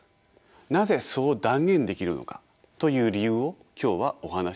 なぜそう断言できるのかという理由を今日はお話しいたします。